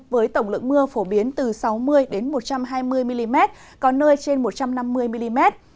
với tổng lượng mưa phổ biến từ sáu mươi một trăm hai mươi mm có nơi trên một trăm năm mươi mm